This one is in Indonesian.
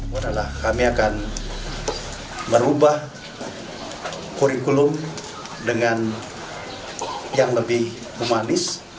mudahlah kami akan merubah kurikulum dengan yang lebih humanis